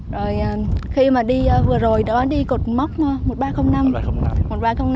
rồi khi mà đi vừa rồi đó đi cột mốc một nghìn ba trăm linh năm